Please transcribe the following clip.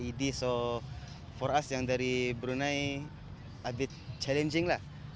jadi untuk kita yang dari brunei agak mencabar